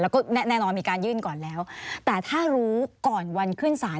แล้วก็แน่นอนมีการยื่นก่อนแล้วแต่ถ้ารู้ก่อนวันขึ้นศาล